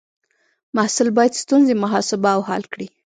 محصل باید ستونزې محاسبه او حل کړي.